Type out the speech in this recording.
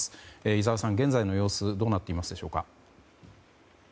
井澤さん、現在の様子どうなっていますでしょうか。